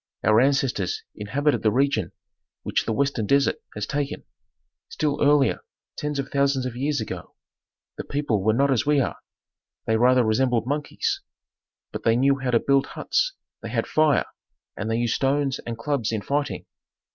Our ancestors inhabited the region which the western desert has taken. Still earlier tens of thousands of years ago the people were not as we are, they rather resembled monkeys, but they knew how to build huts, they had fire, and they used stones and clubs in fighting.